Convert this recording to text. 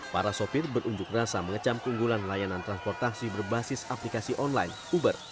para sopir berunjuk rasa mengecam keunggulan layanan transportasi berbasis aplikasi online uber